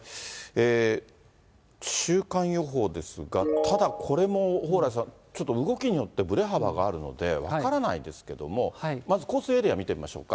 週間予報ですが、ただ、これも蓬莱さん、ちょっと動きによってぶれ幅があるので、分からないですけども、まず降水エリア見てみましょうか。